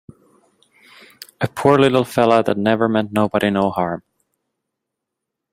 A poor little fellow that never meant nobody no harm!